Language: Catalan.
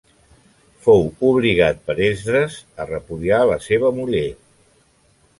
Fou obligat per Esdres a repudiar a la seva muller.